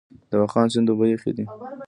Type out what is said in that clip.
د واخان سیند اوبه یخې دي؟